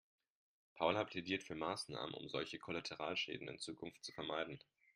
Paula plädiert für Maßnahmen, um solche Kollateralschäden in Zukunft zu vermeiden.